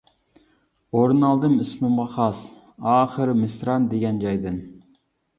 ئورۇن ئالدىم ئىسمىمغا خاس، ئاخىر مىسران دېگەن جايدىن.